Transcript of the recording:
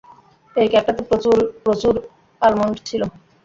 এই কেকটাতে প্রচুর অ্যালমন্ড ছিল।